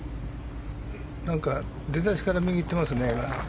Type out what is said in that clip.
なんか出だしから右に行ってますね。